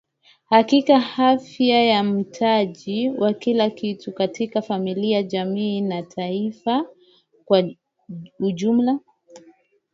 hakika afya ni mtaji wa kila kitu katika familia jamii na taifa kwa ujumla